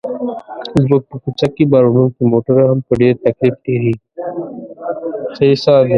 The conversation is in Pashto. زموږ په کوڅه کې باروړونکي موټر هم په ډېر تکلیف تېرېږي.